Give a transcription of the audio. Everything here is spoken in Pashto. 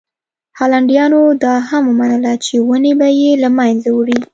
هالنډیانو دا هم ومنله چې ونې به یې له منځه وړي.